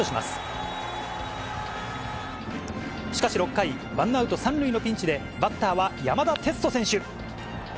しかし６回、ワンアウト３塁のピンチで、バッターは山田哲人選手。